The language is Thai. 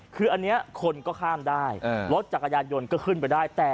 คืออันนี้คนก็ข้ามได้รถจักรยานยนต์ก็ขึ้นไปได้